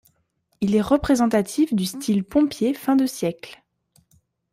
Il est représentatif du style pompier fin de siècle.